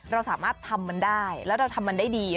เราสามารถทำมันได้แล้วเราทำมันได้ดี